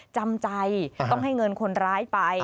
จำใจต้องให้เงินคนร้ายไป